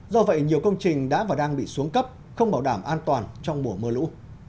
do vậy nhiều công trình đã và đang bị xuống cấp không bảo đảm an toàn trong mùa mưa lũ